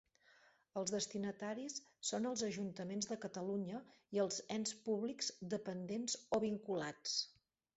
Els destinataris són els ajuntaments de Catalunya i els ens públics dependents o vinculats.